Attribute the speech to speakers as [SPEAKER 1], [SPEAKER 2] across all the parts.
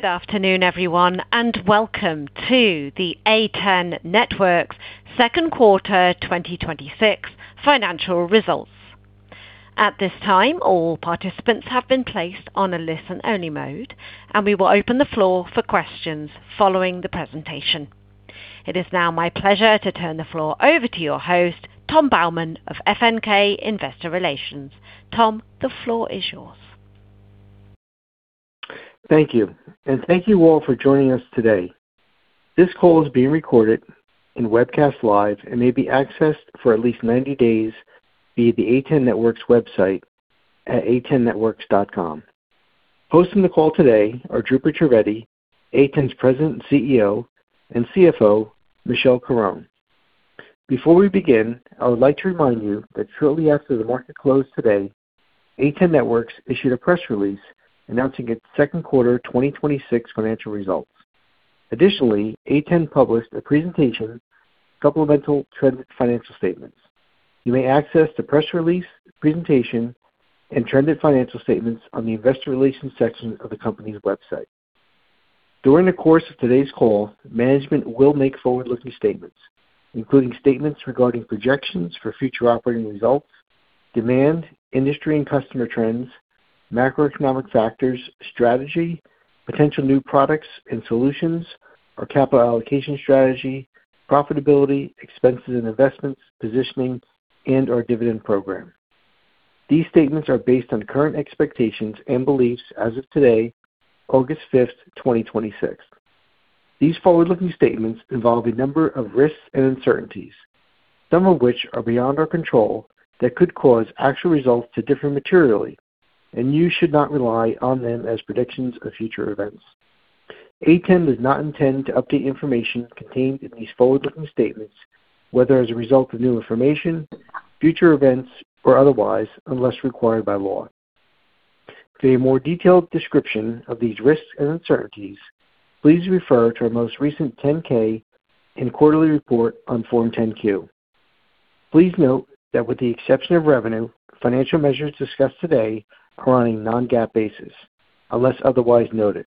[SPEAKER 1] Good afternoon, everyone, and welcome to the A10 Networks second quarter 2026 financial results. At this time, all participants have been placed on a listen-only mode, and we will open the floor for questions following the presentation. It is now my pleasure to turn the floor over to your host, Tom Baumann of FNK IR. Tom, the floor is yours.
[SPEAKER 2] Thank you, and thank you all for joining us today. This call is being recorded and webcast live and may be accessed for at least 90 days via the A10 Networks website at a10networks.com. Hosting the call today are Dhrupad Trivedi, A10's President and CEO, and CFO, Michelle Caron. Before we begin, I would like to remind you that shortly after the market closed today, A10 Networks issued a press release announcing its second quarter 2026 financial results. Additionally, A10 published a presentation, supplemental trended financial statements. You may access the press release, presentation, and trended financial statements on the investor relations section of the company's website. During the course of today's call, management will make forward-looking statements, including statements regarding projections for future operating results, demand, industry and customer trends, macroeconomic factors, strategy, potential new products and solutions, our capital allocation strategy, profitability, expenses and investments, positioning, and our dividend program. These statements are based on current expectations and beliefs as of today, August 5th, 2026. These forward-looking statements involve a number of risks and uncertainties, some of which are beyond our control, that could cause actual results to differ materially, and you should not rely on them as predictions of future events. A10 does not intend to update information contained in these forward-looking statements, whether as a result of new information, future events, or otherwise, unless required by law. For a more detailed description of these risks and uncertainties, please refer to our most recent Form 10-K and quarterly report on Form 10-Q. Please note that with the exception of revenue, financial measures discussed today are on a non-GAAP basis, unless otherwise noted,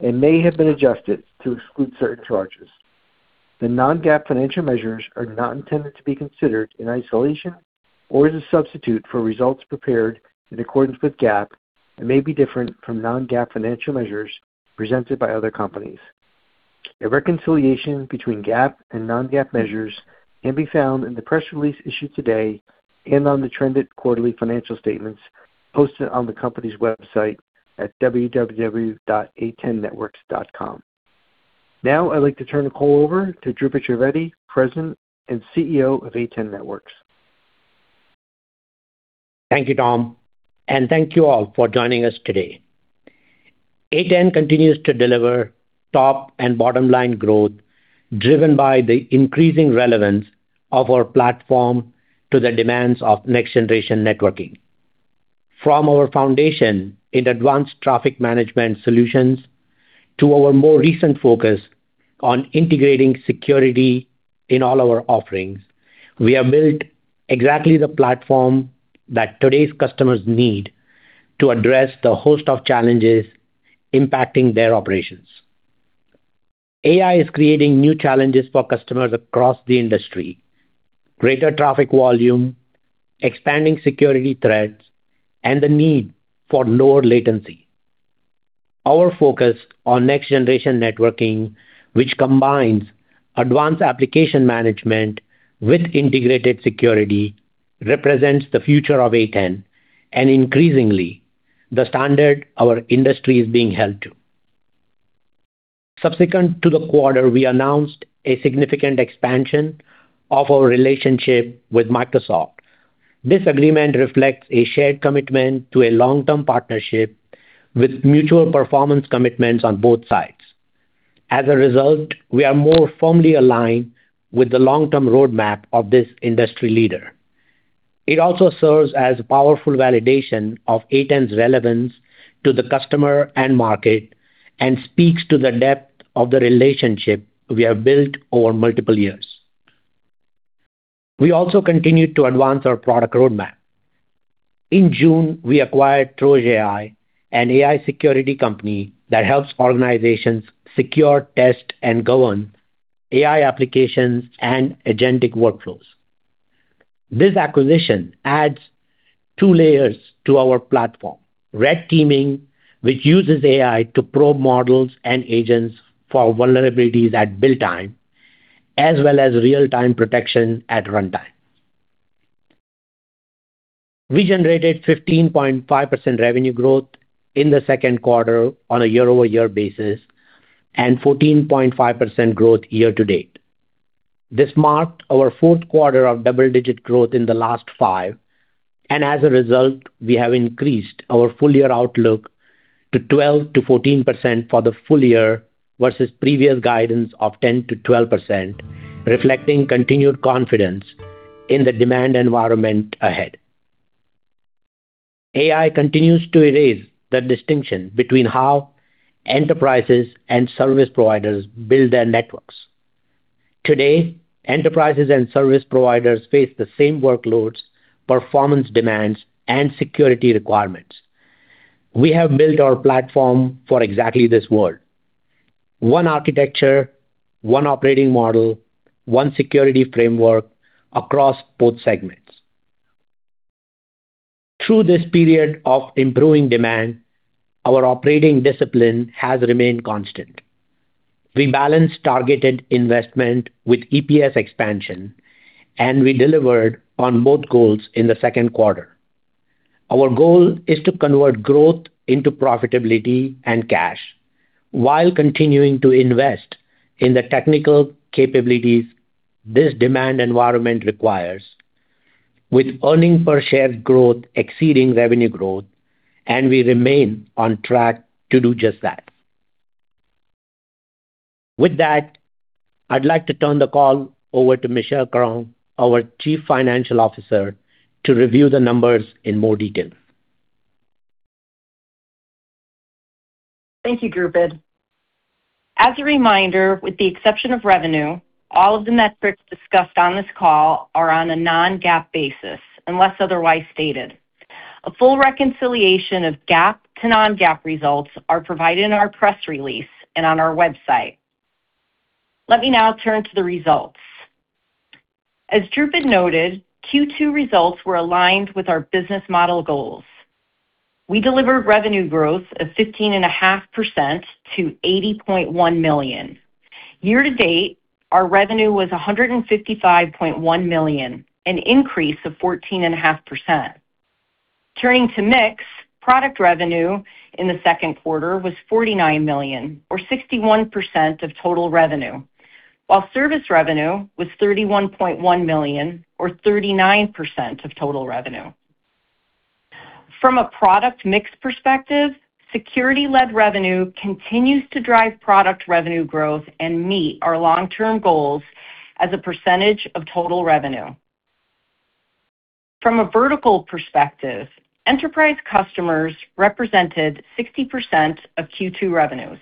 [SPEAKER 2] and may have been adjusted to exclude certain charges. The non-GAAP financial measures are not intended to be considered in isolation or as a substitute for results prepared in accordance with GAAP and may be different from non-GAAP financial measures presented by other companies. A reconciliation between GAAP and non-GAAP measures can be found in the press release issued today and on the trended quarterly financial statements posted on the company's website at www.a10networks.com. I'd like to turn the call over to Dhrupad Trivedi, President and CEO of A10 Networks.
[SPEAKER 3] Thank you, Tom, and thank you all for joining us today. A10 continues to deliver top and bottom-line growth driven by the increasing relevance of our platform to the demands of next-generation networking. From our foundation in advanced traffic management solutions to our more recent focus on integrating security in all our offerings, we have built exactly the platform that today's customers need to address the host of challenges impacting their operations. AI is creating new challenges for customers across the industry: greater traffic volume, expanding security threats, and the need for lower latency. Our focus on next-generation networking, which combines advanced application management with integrated security, represents the future of A10 and increasingly the standard our industry is being held to. Subsequent to the quarter, we announced a significant expansion of our relationship with Microsoft. This agreement reflects a shared commitment to a long-term partnership with mutual performance commitments on both sides. As a result, we are more firmly aligned with the long-term roadmap of this industry leader. It also serves as powerful validation of A10's relevance to the customer and market and speaks to the depth of the relationship we have built over multiple years. We also continued to advance our product roadmap. In June, we acquired TrojAI, an AI security company that helps organizations secure, test, and govern AI applications and agentic workflows. This acquisition adds two layers to our platform, red teaming, which uses AI to probe models and agents for vulnerabilities at build time, as well as real-time protection at runtime. We generated 15.5% revenue growth in the second quarter on a year-over-year basis and 14.5% growth year to date. This marked our fourth quarter of double-digit growth in the last five. As a result, we have increased our full-year outlook to 12%-14% for the full year versus previous guidance of 10%-12%, reflecting continued confidence in the demand environment ahead. AI continues to erase the distinction between how enterprises and service providers build their networks. Today, enterprises and service providers face the same workloads, performance demands, and security requirements. We have built our platform for exactly this world. One architecture, one operating model, one security framework across both segments. Through this period of improving demand, our operating discipline has remained constant. We balance targeted investment with EPS expansion, and we delivered on both goals in the second quarter. Our goal is to convert growth into profitability and cash while continuing to invest in the technical capabilities this demand environment requires with earnings per share growth exceeding revenue growth. We remain on track to do just that. With that, I'd like to turn the call over to Michelle Caron, our Chief Financial Officer, to review the numbers in more detail.
[SPEAKER 4] Thank you, Dhrupad. As a reminder, with the exception of revenue, all of the metrics discussed on this call are on a non-GAAP basis, unless otherwise stated. A full reconciliation of GAAP to non-GAAP results are provided in our press release and on our website. Let me now turn to the results. As Dhrupad noted, Q2 results were aligned with our business model goals. We delivered revenue growth of 15.5% to $80.1 million. Year to date, our revenue was $155.1 million, an increase of 14.5%. Turning to mix, product revenue in the second quarter was $49 million, or 61% of total revenue, while service revenue was $31.1 million, or 39% of total revenue. From a product mix perspective, security-led revenue continues to drive product revenue growth and meet our long-term goals as a percentage of total revenue. From a vertical perspective, enterprise customers represented 60% of Q2 revenues.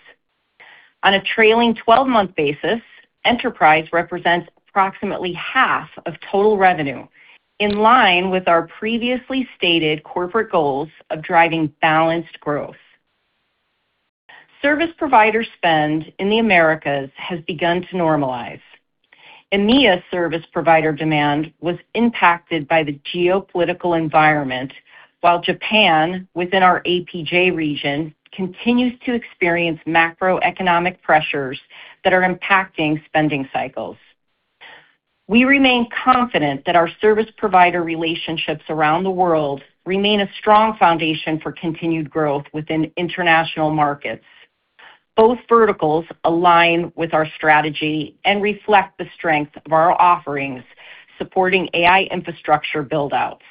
[SPEAKER 4] On a trailing 12-month basis, enterprise represents approximately half of total revenue, in line with our previously stated corporate goals of driving balanced growth. Service provider spend in the Americas has begun to normalize. EMEA service provider demand was impacted by the geopolitical environment, while Japan, within our APJ region, continues to experience macroeconomic pressures that are impacting spending cycles. We remain confident that our service provider relationships around the world remain a strong foundation for continued growth within international markets. Both verticals align with our strategy and reflect the strength of our offerings supporting AI infrastructure build-outs.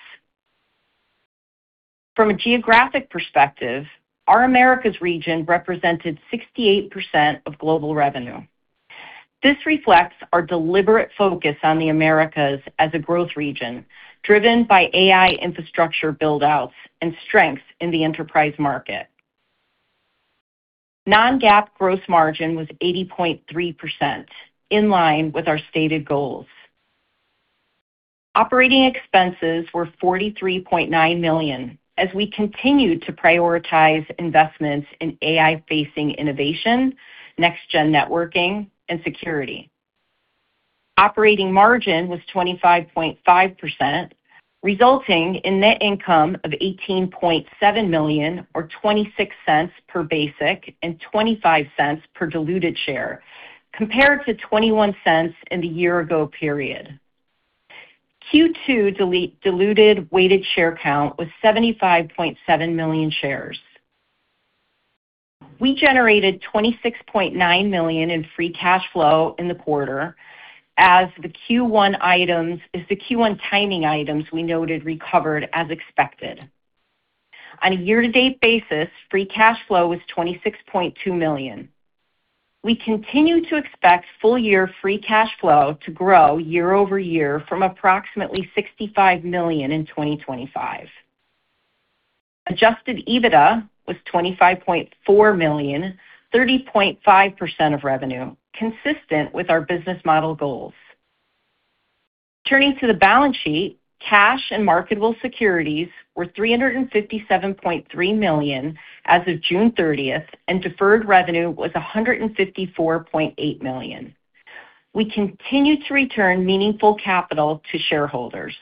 [SPEAKER 4] From a geographic perspective, our Americas region represented 68% of global revenue. This reflects our deliberate focus on the Americas as a growth region driven by AI infrastructure build-outs and strength in the enterprise market. Non-GAAP gross margin was 80.3%, in line with our stated goals. Operating expenses were $43.9 million. As we continued to prioritize investments in AI-facing innovation, next-gen networking, and security. Operating margin was 25.5%, resulting in net income of $18.7 million, or $0.26 per basic and $0.25 per diluted share, compared to $0.21 in the year-ago period. Q2 diluted weighted share count was 75.7 million shares. We generated $26.9 million in free cash flow in the quarter as the Q1 timing items we noted recovered as expected. On a year-to-date basis, free cash flow was $26.2 million. We continue to expect full year free cash flow to grow year-over-year from approximately $65 million in 2025. Adjusted EBITDA was $25.4 million, 30.5% of revenue, consistent with our business model goals. Turning to the balance sheet, cash and marketable securities were $357.3 million as of June 30th, and deferred revenue was $154.8 million. We continue to return meaningful capital to shareholders.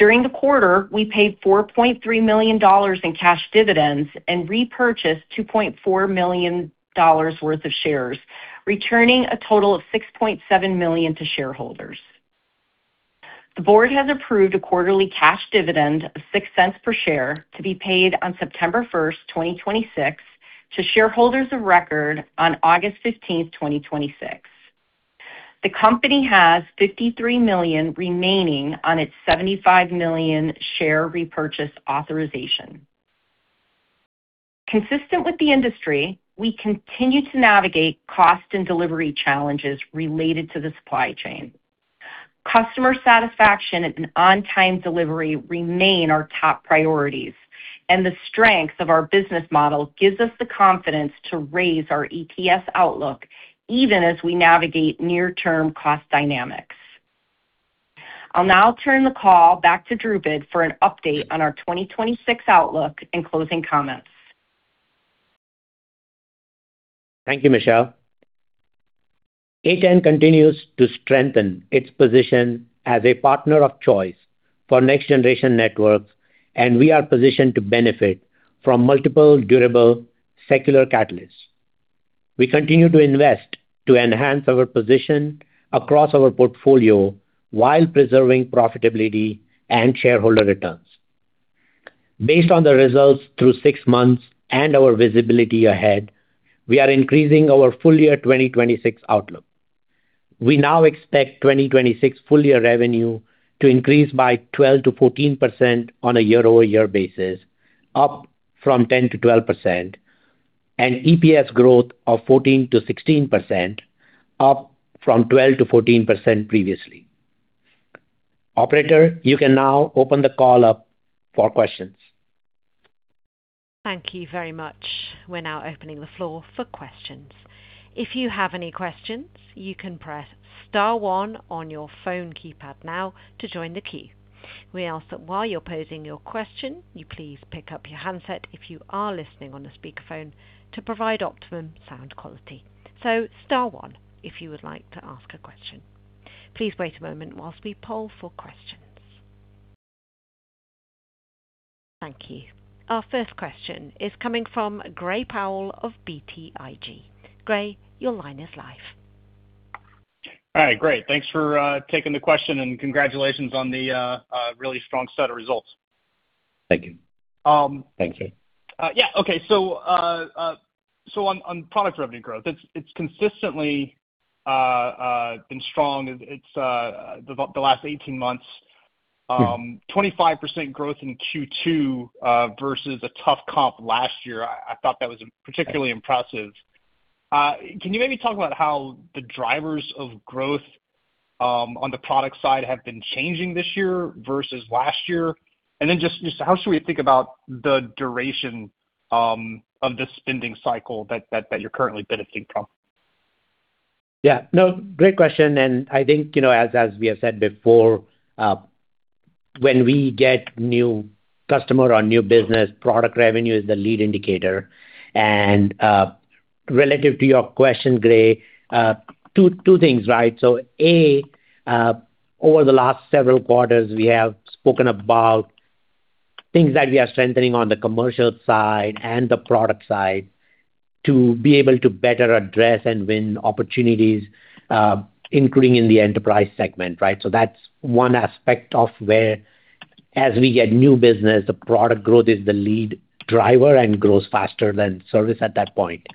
[SPEAKER 4] During the quarter, we paid $4.3 million in cash dividends and repurchased $2.4 million worth of shares, returning a total of $6.7 million to shareholders. The board has approved a quarterly cash dividend of $0.06 per share to be paid on September 1st, 2026, to shareholders of record on August 15th, 2026. The company has $53 million remaining on its $75 million share repurchase authorization. Consistent with the industry, we continue to navigate cost and delivery challenges related to the supply chain. Customer satisfaction and on-time delivery remain our top priorities, and the strength of our business model gives us the confidence to raise our EPS outlook even as we navigate near-term cost dynamics. I'll now turn the call back to Dhrupad for an update on our 2026 outlook and closing comments.
[SPEAKER 3] Thank you, Michelle. A10 continues to strengthen its position as a partner of choice for next-generation networks, and we are positioned to benefit from multiple durable secular catalysts. We continue to invest to enhance our position across our portfolio while preserving profitability and shareholder returns. Based on the results through six months and our visibility ahead, we are increasing our full year 2026 outlook. We now expect 2026 full year revenue to increase by 12%-14% on a year-over-year basis, up from 10%-12%, and EPS growth of 14%-16%, up from 12%-14% previously. Operator, you can now open the call up for questions.
[SPEAKER 1] Thank you very much. We are now opening the floor for questions. If you have any questions, you can press star one on your phone keypad now to join the queue. We ask that while you are posing your question, you please pick up your handset if you are listening on a speakerphone to provide optimum sound quality. Star one if you would like to ask a question. Please wait a moment whilst we poll for questions. Thank you. Our first question is coming from Gray Powell of BTIG. Gray, your line is live.
[SPEAKER 5] All right, great. Thanks for taking the question and congratulations on the really strong set of results.
[SPEAKER 3] Thank you.
[SPEAKER 5] Yeah. Okay. On product revenue growth, it's consistently been strong. The last 18 months-
[SPEAKER 3] Yeah
[SPEAKER 5] 25% growth in Q2 versus a tough comp last year. I thought that was particularly impressive. Can you maybe talk about how the drivers of growth on the product side have been changing this year versus last year? Just how should we think about the duration of the spending cycle that you're currently benefiting from?
[SPEAKER 3] Yeah. No, great question, and I think, as we have said before, when we get new customer or new business, product revenue is the lead indicator. Relative to your question, Gray, two things, right? A, over the last several quarters, we have spoken about things that we are strengthening on the commercial side and the product side to be able to better address and win opportunities, including in the enterprise segment, right? That's one aspect of where as we get new business, the product growth is the lead driver and grows faster than service at that point.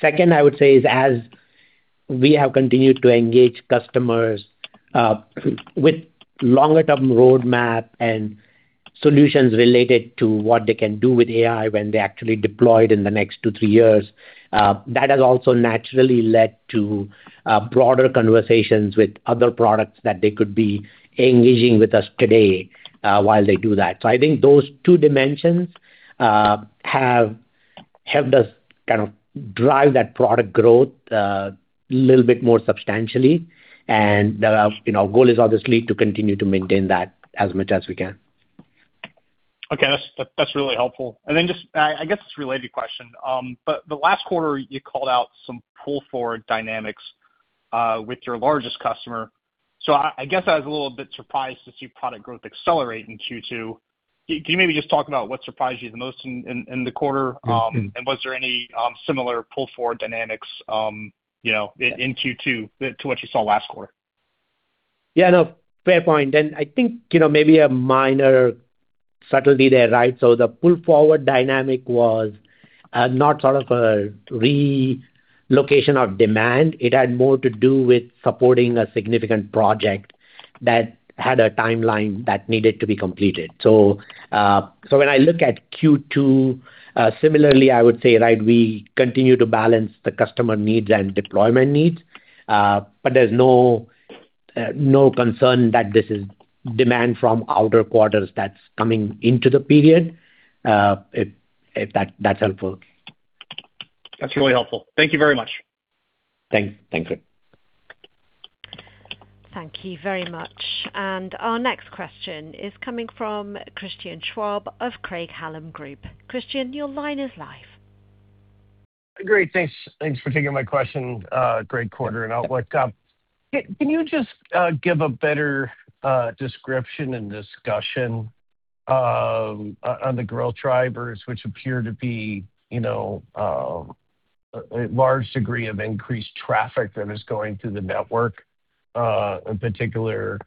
[SPEAKER 3] Second, I would say is as we have continued to engage customers with longer-term roadmap and solutions related to what they can do with AI when they actually deployed in the next two, three years. That has also naturally led to broader conversations with other products that they could be engaging with us today while they do that. I think those two dimensions have helped us drive that product growth a little bit more substantially. Our goal is obviously to continue to maintain that as much as we can.
[SPEAKER 5] That's really helpful. This related question, the last quarter you called out some pull-forward dynamics with your largest customer. I was a little bit surprised to see product growth accelerate in Q2. Can you maybe just talk about what surprised you the most in the quarter? Was there any similar pull-forward dynamics in Q2 to what you saw last quarter?
[SPEAKER 3] Yeah, no, fair point. Maybe a minor subtlety there, right? The pull-forward dynamic was not sort of a relocation of demand. It had more to do with supporting a significant project that had a timeline that needed to be completed. When I look at Q2, similarly, we continue to balance the customer needs and deployment needs. There's no concern that this is demand from outer quarters that's coming into the period, if that's helpful.
[SPEAKER 5] That's really helpful. Thank you very much.
[SPEAKER 3] Thanks.
[SPEAKER 1] Thank you very much. Our next question is coming from Christian Schwab of Craig-Hallum Group. Christian, your line is live.
[SPEAKER 6] Great. Thanks for taking my question. Great quarter and outlook. Can you just give a better description and discussion on the growth drivers, which appear to be a large degree of increased traffic that is going through the network, in particular,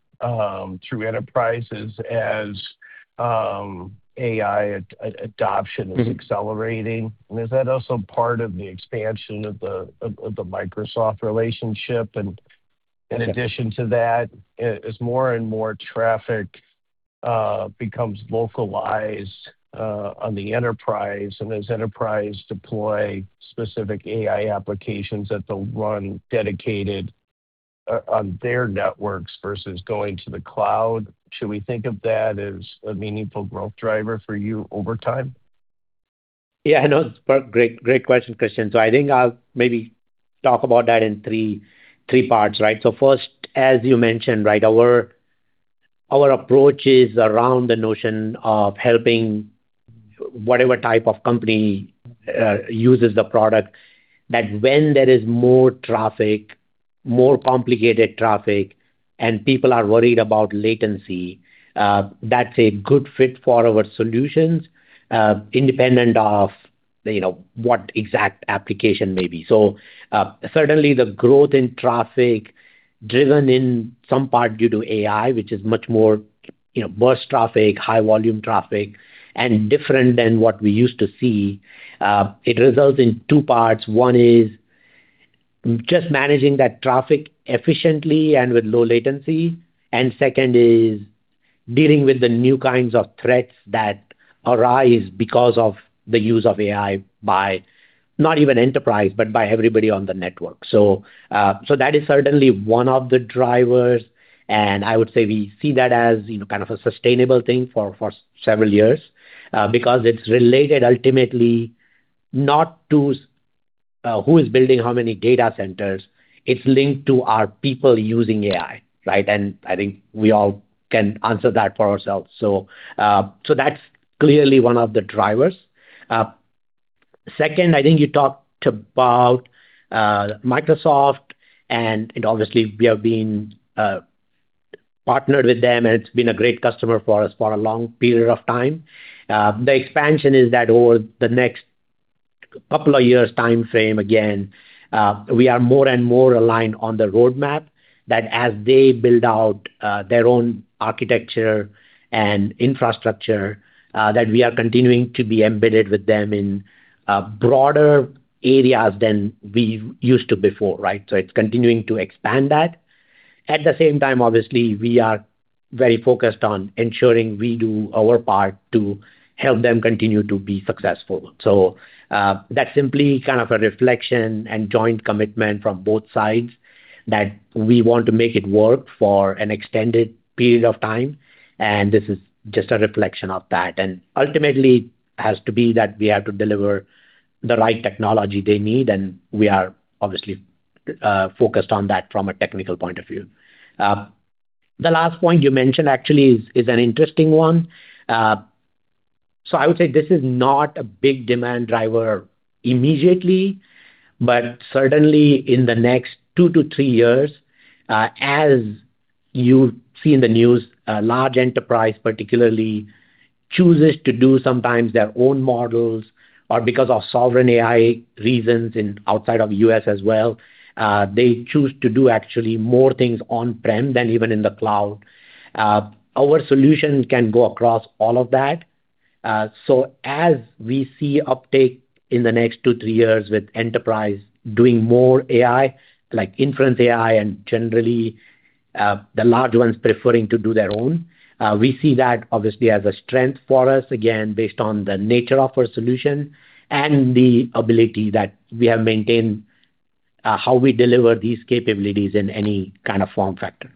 [SPEAKER 6] through enterprises as AI adoption is accelerating. Is that also part of the expansion of the Microsoft relationship? In addition to that, as more and more traffic becomes localized on the enterprise, and as enterprise deploy specific AI applications that they'll run dedicated on their networks versus going to the cloud, should we think of that as a meaningful growth driver for you over time?
[SPEAKER 3] Yeah, no, great question, Christian. I think I'll maybe talk about that in three parts, right? First, as you mentioned, our approach is around the notion of helping whatever type of company uses the product, that when there is more traffic, more complicated traffic, and people are worried about latency, that's a good fit for our solutions, independent of what exact application may be. Certainly the growth in traffic driven in some part due to AI, which is much more burst traffic, high volume traffic, and different than what we used to see. It results in two parts. One is just managing that traffic efficiently and with low latency. Second is dealing with the new kinds of threats that arise because of the use of AI by not even enterprise, but by everybody on the network. That is certainly one of the drivers, and I would say we see that as a sustainable thing for several years. Because it's related ultimately not to who is building how many data centers. It's linked to are people using AI, right? I think we all can answer that for ourselves. That's clearly one of the drivers. Second, I think you talked about Microsoft, and obviously we have been partnered with them, and it's been a great customer for us for a long period of time. The expansion is that over the next couple of years timeframe, again, we are more and more aligned on the roadmap that as they build out their own architecture and infrastructure, that we are continuing to be embedded with them in broader areas than we used to before, right? It's continuing to expand that. At the same time, obviously, we are very focused on ensuring we do our part to help them continue to be successful. That's simply a reflection and joint commitment from both sides that we want to make it work for an extended period of time, and this is just a reflection of that. Ultimately, it has to be that we have to deliver the right technology they need, and we are obviously focused on that from a technical point of view. The last point you mentioned actually is an interesting one. I would say this is not a big demand driver immediately, but certainly in the next two to three years, as you see in the news, a large enterprise particularly chooses to do sometimes their own models or because of sovereign AI reasons in outside of U.S. as well, they choose to do actually more things on-prem than even in the cloud. Our solution can go across all of that. As we see uptake in the next two, three years with enterprise doing more AI, like inference AI and generally, the large ones preferring to do their own, we see that obviously as a strength for us, again, based on the nature of our solution and the ability that we have maintained, how we deliver these capabilities in any kind of form factor.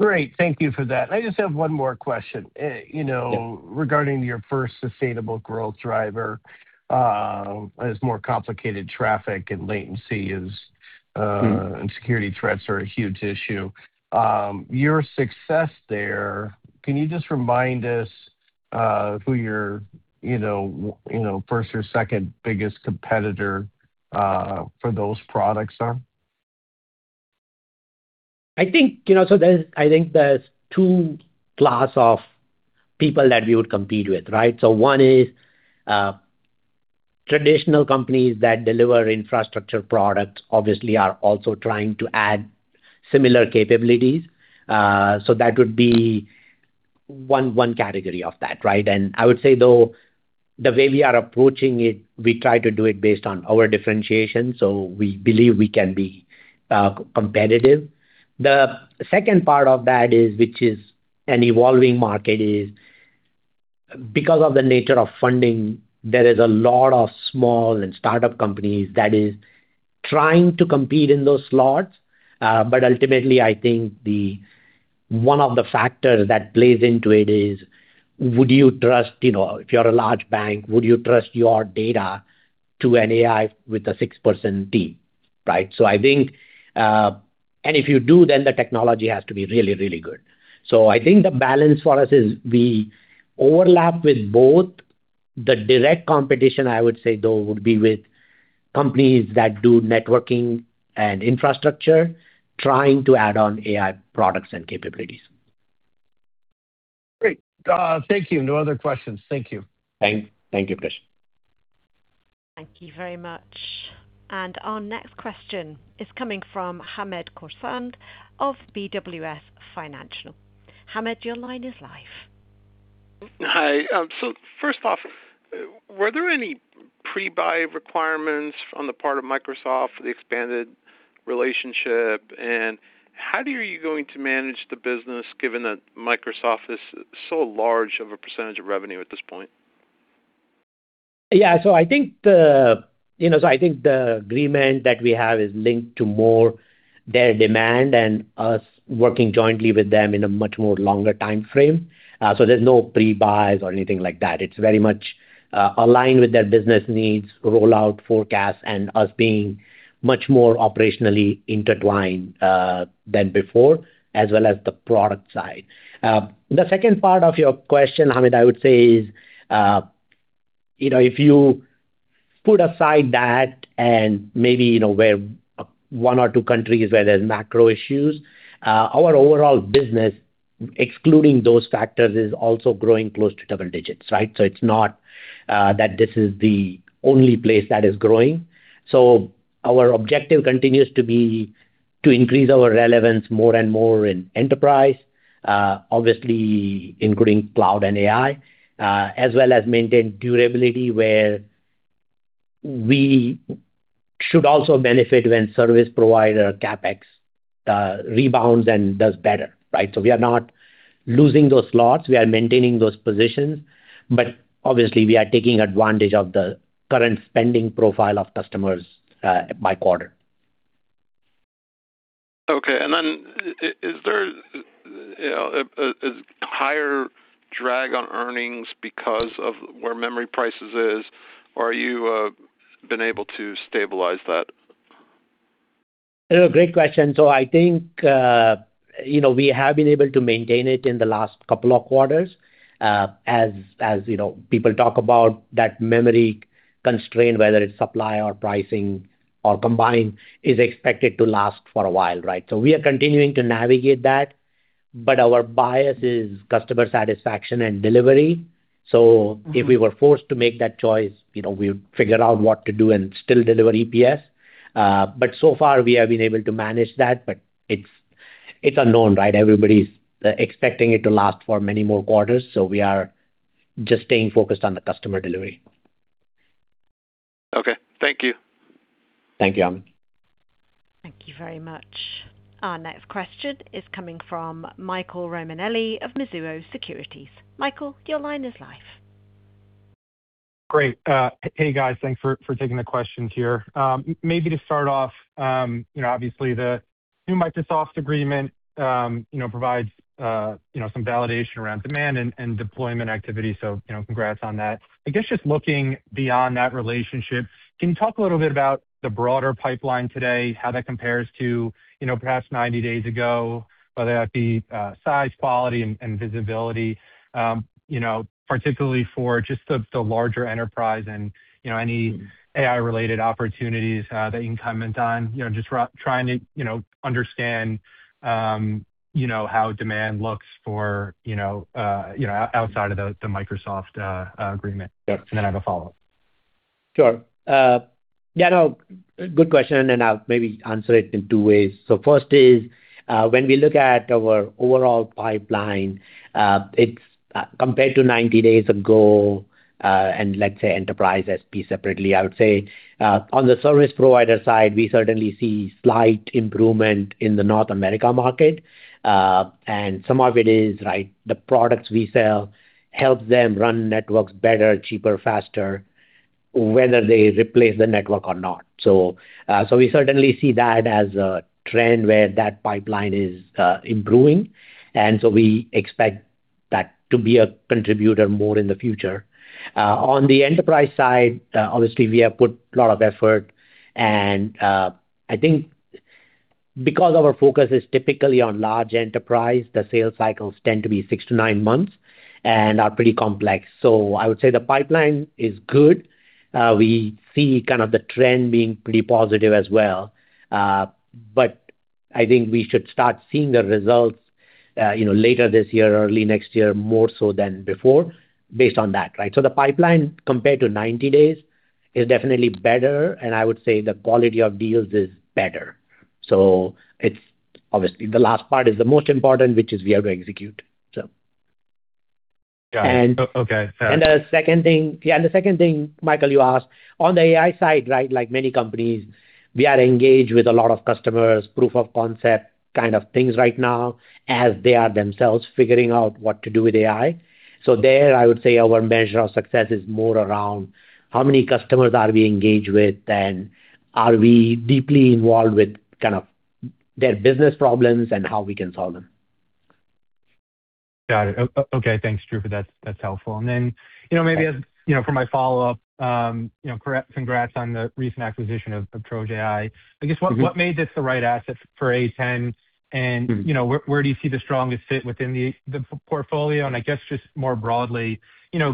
[SPEAKER 6] Great. Thank you for that. I just have one more question.
[SPEAKER 3] Yeah.
[SPEAKER 6] Regarding your first sustainable growth driver, as more complicated traffic and latency is security threats are a huge issue. Your success there, can you just remind us who your first or second biggest competitor for those products are?
[SPEAKER 3] I think there's two class of people that we would compete with, right? One is, traditional companies that deliver infrastructure products obviously are also trying to add similar capabilities. That would be one category of that, right? I would say, though, the way we are approaching it, we try to do it based on our differentiation, so we believe we can be competitive. The second part of that is, which is an evolving market, is because of the nature of funding, there is a lot of small and startup companies that is trying to compete in those slots. Ultimately, I think one of the factors that plays into it is, if you're a large bank, would you trust your data to an AI with a six-person team, right? If you do, then the technology has to be really, really good. I think the balance for us is we overlap with both. The direct competition, I would say, though, would be with companies that do networking and infrastructure, trying to add on AI products and capabilities.
[SPEAKER 6] Great. Thank you. No other questions. Thank you.
[SPEAKER 3] Thank you, Christian.
[SPEAKER 1] Thank you very much. Our next question is coming from Hamed Khorsand of BWS Financial. Hamed, your line is live
[SPEAKER 7] Hi. First off, were there any pre-buy requirements on the part of Microsoft for the expanded relationship? How are you going to manage the business given that Microsoft is so large of a percentage of revenue at this point?
[SPEAKER 3] Yeah. I think the agreement that we have is linked to more their demand and us working jointly with them in a much more longer timeframe. There's no pre-buys or anything like that. It's very much aligned with their business needs, rollout forecasts, and us being much more operationally intertwined than before, as well as the product side. The second part of your question, Hamed, I would say is if you put aside that and maybe where one or two countries where there's macro issues, our overall business, excluding those factors, is also growing close to double digits. It's not that this is the only place that is growing. Our objective continues to be to increase our relevance more and more in enterprise, obviously including cloud and AI, as well as maintain durability where we should also benefit when service provider CapEx rebounds and does better. We are not losing those slots. We are maintaining those positions. Obviously, we are taking advantage of the current spending profile of customers by quarter.
[SPEAKER 7] Okay. Is there a higher drag on earnings because of where memory prices is, or you been able to stabilize that?
[SPEAKER 3] Great question. I think we have been able to maintain it in the last couple of quarters. As people talk about that memory constraint, whether it's supply or pricing or combined, is expected to last for a while. We are continuing to navigate that. Our bias is customer satisfaction and delivery. If we were forced to make that choice, we'd figure out what to do and still deliver EPS. So far we have been able to manage that. It's unknown. Everybody's expecting it to last for many more quarters. We are just staying focused on the customer delivery.
[SPEAKER 7] Okay. Thank you.
[SPEAKER 3] Thank you, Hamed.
[SPEAKER 1] Thank you very much. Our next question is coming from Michael Romanelli of Mizuho Securities. Michael, your line is live.
[SPEAKER 8] Great. Hey, guys. Thanks for taking the questions here. Maybe to start off, obviously the new Microsoft agreement provides some validation around demand and deployment activity. Congrats on that. I guess just looking beyond that relationship, can you talk a little bit about the broader pipeline today, how that compares to perhaps 90 days ago, whether that be size, quality, and visibility, particularly for just the larger enterprise and any AI-related opportunities that you can comment on? Just trying to understand how demand looks for outside of the Microsoft agreement. I have a follow-up.
[SPEAKER 3] Sure. Good question, I'll maybe answer it in two ways. First is when we look at our overall pipeline, compared to 90 days ago, and let's say enterprise SP separately, I would say on the service provider side, we certainly see slight improvement in the North America market. Some of it is the products we sell help them run networks better, cheaper, faster, whether they replace the network or not. We certainly see that as a trend where that pipeline is improving, we expect that to be a contributor more in the future. On the enterprise side, obviously we have put a lot of effort and I think because our focus is typically on large enterprise, the sales cycles tend to be six to nine months and are pretty complex. I would say the pipeline is good. We see the trend being pretty positive as well. I think we should start seeing the results later this year, early next year, more so than before based on that. The pipeline compared to 90 days is definitely better, and I would say the quality of deals is better. Obviously the last part is the most important, which is we are to execute.
[SPEAKER 8] Got it. Okay. Fair enough.
[SPEAKER 3] The second thing, Michael, you asked on the AI side, like many companies, we are engaged with a lot of customers, proof of concept kind of things right now as they are themselves figuring out what to do with AI. There, I would say our measure of success is more around how many customers are we engaged with and are we deeply involved with their business problems and how we can solve them.
[SPEAKER 8] Got it. Okay. Thanks, Dhruva. That's helpful. Then maybe as for my follow-up, congrats on the recent acquisition of TrojAI. I guess what made this the right asset for A10 and where do you see the strongest fit within the portfolio? I guess just more broadly,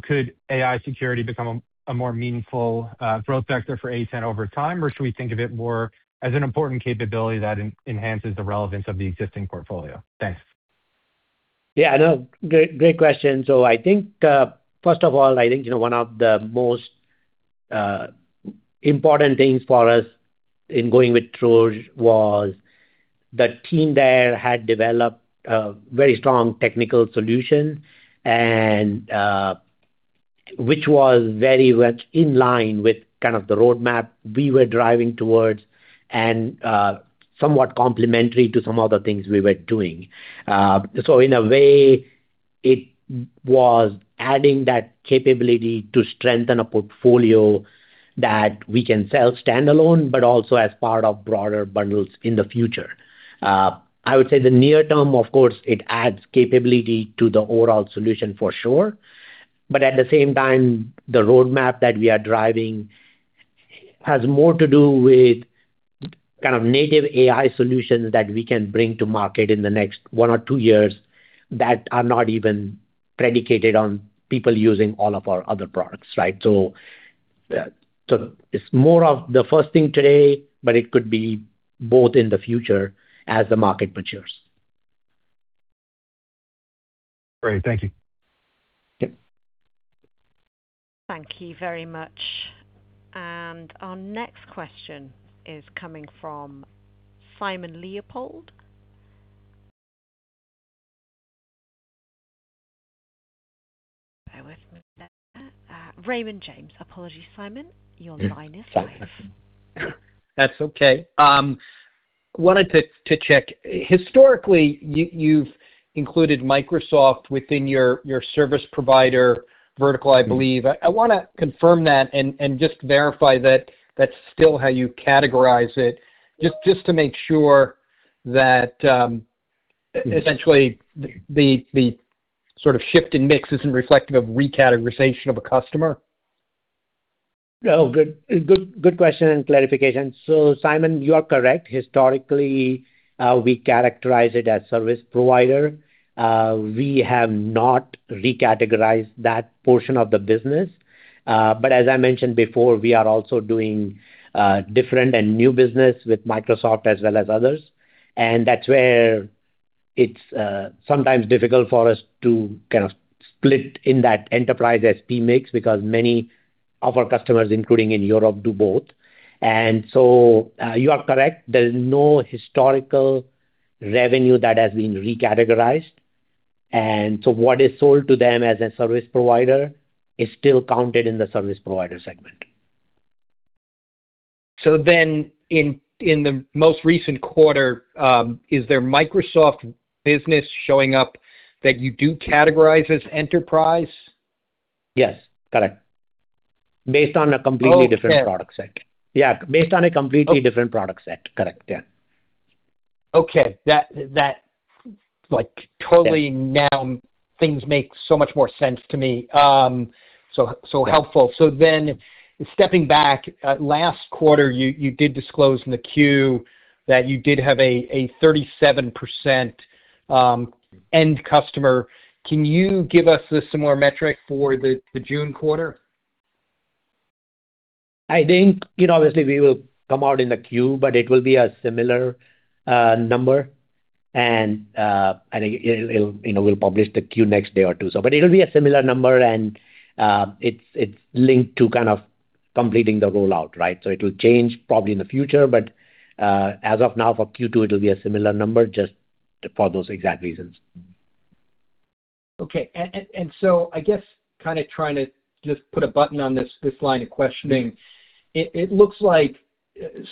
[SPEAKER 8] could AI security become a more meaningful growth sector for A10 over time, or should we think of it more as an important capability that enhances the relevance of the existing portfolio? Thanks.
[SPEAKER 3] Yeah, I know. Great question. I think, first of all, I think one of the most important things for us in going with TrojAI was the team there had developed a very strong technical solution, which was very much in line with the roadmap we were driving towards and somewhat complementary to some other things we were doing. In a way, it was adding that capability to strengthen a portfolio that we can sell standalone, but also as part of broader bundles in the future. I would say the near term, of course, it adds capability to the overall solution for sure, but at the same time, the roadmap that we are driving has more to do with native AI solutions that we can bring to market in the next one or two years that are not even predicated on people using all of our other products. It's more of the first thing today, but it could be both in the future as the market matures.
[SPEAKER 8] Great. Thank you.
[SPEAKER 3] Yep.
[SPEAKER 1] Thank you very much. Our next question is coming from Simon Leopold. Bear with me there. Raymond James. Apologies, Simon. Your line is live.
[SPEAKER 9] That's okay. Wanted to check. Historically, you've included Microsoft within your service provider vertical, I believe. I want to confirm that and just verify that that's still how you categorize it, just to make sure that, essentially, the shift in mix isn't reflective of recategorization of a customer.
[SPEAKER 3] Good question and clarification. Simon, you are correct. Historically, we characterize it as service provider. We have not recategorized that portion of the business. As I mentioned before, we are also doing different and new business with Microsoft as well as others. That's where it's sometimes difficult for us to split in that enterprise SP mix because many of our customers, including in Europe, do both. You are correct. There's no historical revenue that has been recategorized. What is sold to them as a service provider is still counted in the service provider segment.
[SPEAKER 9] In the most recent quarter, is there Microsoft business showing up that you do categorize as enterprise?
[SPEAKER 3] Yes, correct. Based on a completely different product set.
[SPEAKER 9] Oh, fair.
[SPEAKER 3] Yeah, based on a completely different product set. Correct. Yeah.
[SPEAKER 9] Okay. That, totally now things make so much more sense to me. Helpful. Stepping back, last quarter, you did disclose in the Q that you did have a 37% end customer. Can you give us a similar metric for the June quarter?
[SPEAKER 3] I think, obviously, we will come out in the Q, but it will be a similar number. I think we'll publish the Q next day or two. It'll be a similar number, and it's linked to completing the rollout. It will change probably in the future, but, as of now, for Q2, it'll be a similar number just for those exact reasons.
[SPEAKER 9] Okay. I guess, trying to just put a button on this line of questioning. It looks like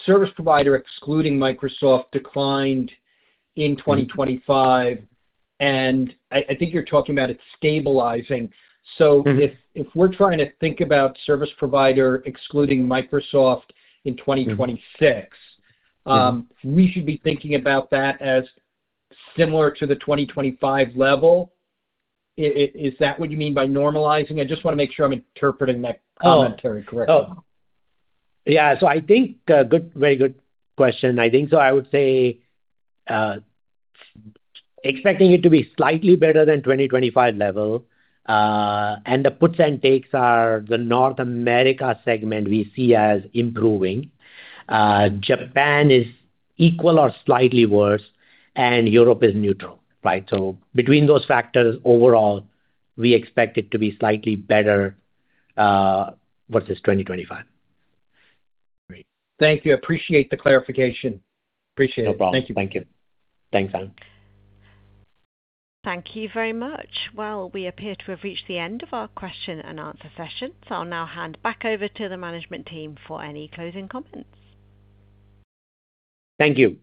[SPEAKER 9] service provider, excluding Microsoft, declined in 2025, and I think you're talking about it stabilizing. If we're trying to think about service provider excluding Microsoft in 2026- we should be thinking about that as similar to the 2025 level. Is that what you mean by normalizing? I just want to make sure I'm interpreting that commentary correctly.
[SPEAKER 3] Oh. Yeah. I think very good question. I think so. I would say, expecting it to be slightly better than 2025 level. The puts and takes are the North America segment we see as improving. Japan is equal or slightly worse, and Europe is neutral. Between those factors, overall, we expect it to be slightly better versus 2025.
[SPEAKER 9] Great. Thank you. Appreciate the clarification. Appreciate it.
[SPEAKER 3] No problem.
[SPEAKER 9] Thank you.
[SPEAKER 3] Thank you. Thanks, Simon.
[SPEAKER 1] Thank you very much. Well, we appear to have reached the end of our question and answer session. I'll now hand back over to the management team for any closing comments.
[SPEAKER 3] Thank you.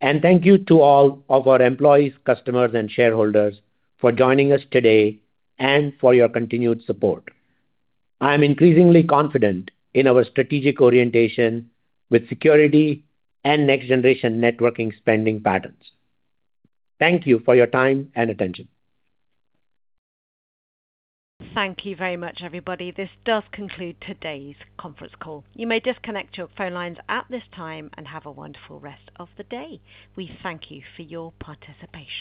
[SPEAKER 3] Thank you to all of our employees, customers and shareholders for joining us today and for your continued support. I'm increasingly confident in our strategic orientation with security and next-generation networking spending patterns. Thank you for your time and attention.
[SPEAKER 1] Thank you very much, everybody. This does conclude today's conference call. You may disconnect your phone lines at this time, and have a wonderful rest of the day. We thank you for your participation.